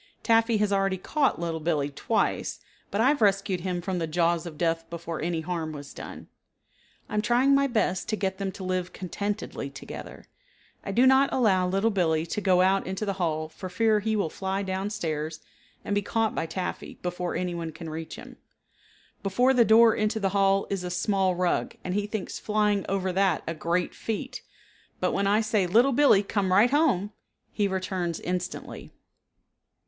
Taffy has already caught Little Billee twice, but I have rescued him from the jaws of death before any harm was done. I am trying my best to get them to live contentedly together. I do not allow Little Billee to go out into the hall for fear he will fly down stairs and be caught by Taffy before anyone can reach him. Before the door into the hall is a small rug and he thinks flying over that a great feat, but when I say, "Little Billee, come right home," he returns instantly.